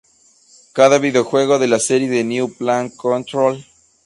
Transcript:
Cada videojuego de la serie de "New Play Control!